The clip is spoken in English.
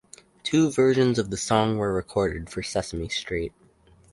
Two versions of the song were recorded for "Sesame Street".